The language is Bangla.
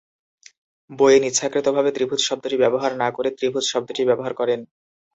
বোয়েন ইচ্ছাকৃতভাবে "ত্রিভুজ" শব্দটি ব্যবহার না করে "ত্রিভুজ" শব্দটি ব্যবহার করেন।